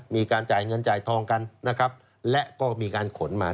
มีการจ่ายเงินจ่ายทองกันนะครับและก็มีการขนมา